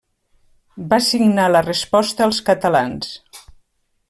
Va signar la Resposta als catalans.